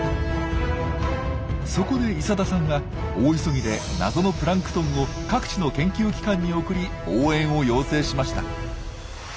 そこで伊佐田さんは大急ぎで謎のプランクトンを各地の研究機関に送り応援を要請しました。